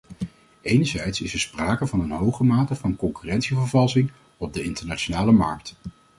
Enerzijds is er sprake van een hoge mate van concurrentievervalsing op de internationale markt.